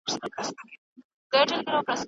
زوی ولې بېرته کور ته راځي؟